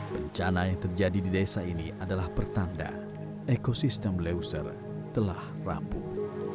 bencana yang terjadi di desa ini adalah pertanda ekosistem leuser telah rampung